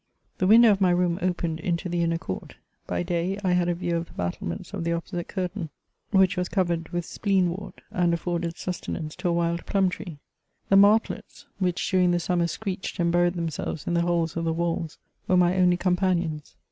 The window of my room opened into the inner court ; by day, I had a view of the battlements of the opposite curtain, which was covered with spleen wort, and afforded sustenance to a wild plum tree. The martlets, which during the summer screeched and buried themselves in the holes of the walls, were my only companions.